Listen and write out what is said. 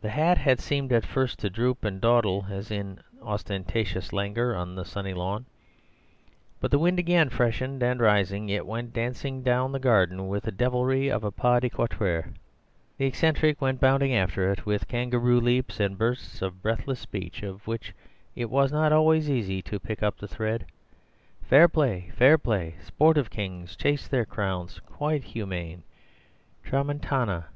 The hat had seemed at first to droop and dawdle as in ostentatious langour on the sunny lawn; but the wind again freshening and rising, it went dancing down the garden with the devilry of a pas de quatre. The eccentric went bounding after it with kangaroo leaps and bursts of breathless speech, of which it was not always easy to pick up the thread: "Fair play, fair play... sport of kings... chase their crowns... quite humane... tramontana...